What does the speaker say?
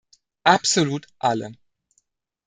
Absolut alle.